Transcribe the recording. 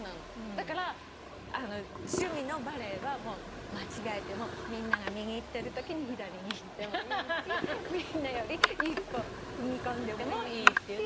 だから趣味のバレエはもう間違えてもみんなが右行ってるときに左に行ってもいいしみんなより一歩踏み込んでもいいし。